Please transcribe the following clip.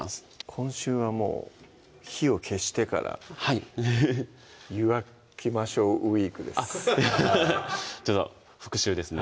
今週はもう火を消してからはいフフフッ湯がきましょうウイークです復習ですね